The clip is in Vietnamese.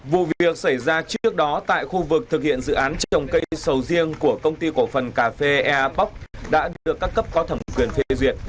vụ việc xảy ra trước đó tại khu vực thực hiện dự án trồng cây sầu riêng của công ty cổ phần cà phê eapoc đã được các cấp có thẩm quyền phê duyệt